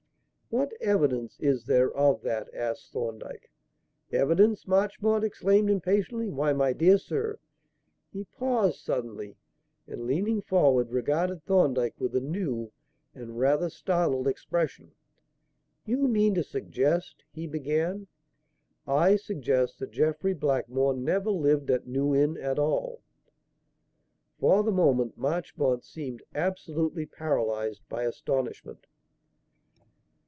"What evidence is there of that?" asked Thorndyke. "Evidence!" Marchmont exclaimed impatiently. "Why, my dear sir " He paused suddenly, and, leaning forward, regarded Thorndyke with a new and rather startled expression. "You mean to suggest " he began. "I suggest that Jeffrey Blackmore never lived at New Inn at all." For the moment, Marchmont seemed absolutely paralysed by astonishment.